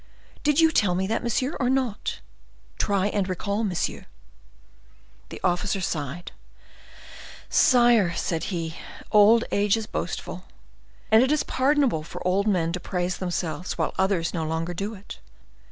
Did you tell me that, monsieur, or not? Try and recall, monsieur." The officer sighed. "Sire," said he, "old age is boastful; and it is pardonable for old men to praise themselves when others no longer do it.